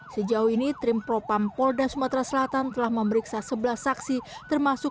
sejauh ini tim propam polda sumatera selatan telah memeriksa sebelas saksi termasuk